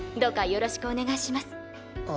よろしくお願いします。